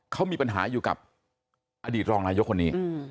เขามีปัญหาอยู่กับอดีตรองนายกคนนี้